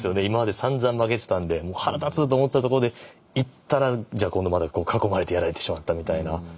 今までさんざん負けてたんで「もう腹立つ」と思ってたところで行ったらじゃあ今度また囲まれてやられてしまったみたいな。